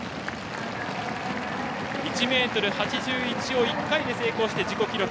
１ｍ８１を１回で成功して自己記録。